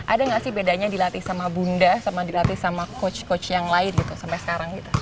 ada gak sih bedanya dilatih sama bunda sama dilatih sama coach coach yang lain gitu sampai sekarang gitu